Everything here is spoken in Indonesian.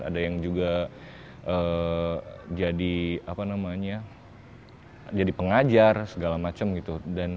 ada yang juga jadi pengajar segala macam gitu